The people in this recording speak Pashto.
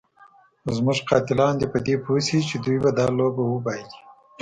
خو زموږ قاتلان دې په دې پوه شي چې دوی به دا لوبه وبایلي.